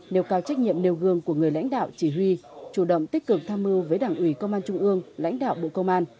nêu cao trách nhiệm nêu gương của người lãnh đạo chỉ huy chủ động tích cực tham mưu với đảng ủy công an trung ương lãnh đạo bộ công an